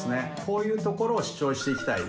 こういうところを主張していきたい